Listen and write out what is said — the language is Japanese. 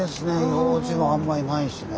用事もあんまりないしね。